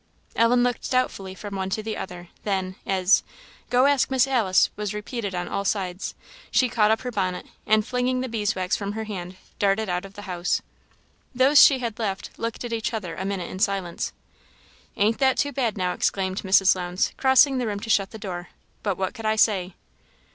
Ellen looked doubtfully from one to the other; then, as "Go ask Miss Alice," was repeated on all sides, she caught up her bonnet, and flinging the bees' wax from her hand, darted out of the house. Those she had left, looked at each other a minute in silence. "Ain't that too bad now!" exclaimed Mrs. Lowndes, crossing the room to shut the door. "But what could I say?"